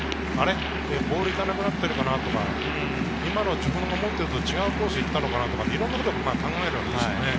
ボール行かなくなってるかなとか、今の自分が思っているのと違うコースに行ったのかなとか考えるんです。